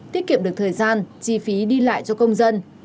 tiết kiệm được thời gian chi phí đi lại cho công dân